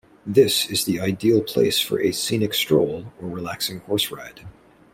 This is the ideal place for a scenic stroll or relaxing horse ride.